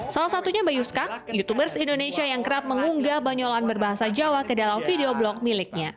salah satunya bayuska youtubers indonesia yang kerap mengunggah banyolan berbahasa jawa ke dalam video blog miliknya